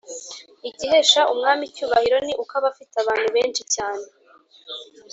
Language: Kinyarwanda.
igihesha umwami icyubahiro ni uko aba afite abantu benshi cyane,